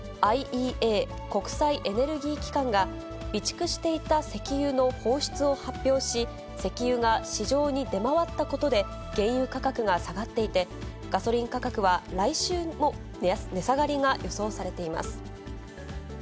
ＩＥＡ・国際エネルギー機関が、備蓄していた石油の放出を発表し、石油が市場に出回ったことで、原油価格が下がっていて、ガソリン価格は来週も値下がりが予想されています。